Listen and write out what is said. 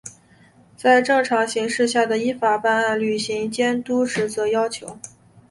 与正常形势下的依法办案、履行监督职责要求